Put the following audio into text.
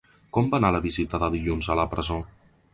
Com va anar la visita de dilluns a la presó?